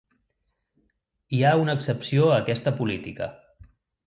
Hi ha una excepció a aquesta política.